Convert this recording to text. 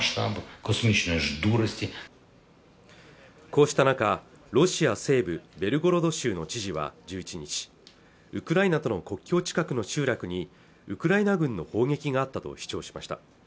こうした中ロシア西部ベルゴロド州の知事は１１日ウクライナとの国境近くの集落にウクライナ軍の砲撃があったと主張しました